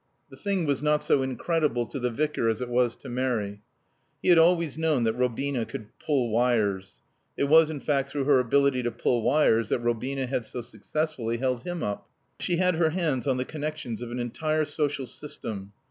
The thing was not so incredible to the Vicar as it was to Mary. He had always known that Robina could pull wires. It was, in fact, through her ability to pull wires that Robina had so successfully held him up. She had her hands on the connections of an entire social system.